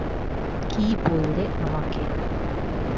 কী বললে আমাকে?